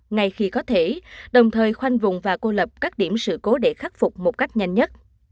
ngay khi có thể đồng thời khoanh vùng và cô lập các điểm sự cố để khắc phục một cách nhanh nhất